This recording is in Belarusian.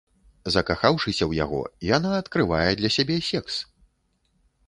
Закахаўшыся ў яго, яна адкрывае для сябе секс.